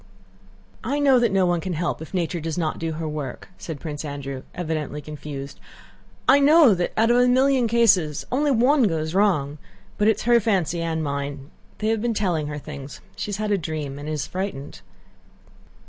"I know that no one can help if nature does not do her work," said Prince Andrew, evidently confused. "I know that out of a million cases only one goes wrong, but it is her fancy and mine. They have been telling her things. She has had a dream and is frightened."